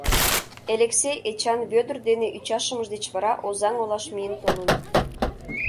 Элексей Эчан Вӧдыр дене ӱчашымыж деч вара Озаҥ олаш миен толын.